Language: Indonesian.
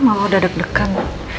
mama udah deg degan